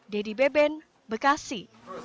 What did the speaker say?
deddy beben bekasi